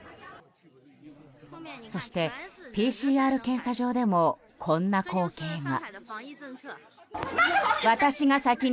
そしてＰＣＲ検査場でもこんな光景が。